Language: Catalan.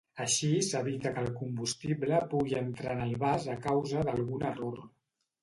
Així s'evita que el combustible pugui entrar en el vas a causa d'algun error.